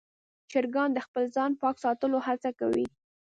چرګان د خپل ځان پاک ساتلو هڅه کوي.